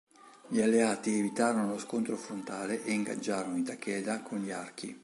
Gli alleati evitarono lo scontro frontale e ingaggiarono i Takeda con gli archi.